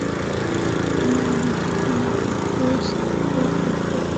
নেডের জন্য কিছু স্ন্যাকসের ব্যবস্থা করতে পারি আমরা?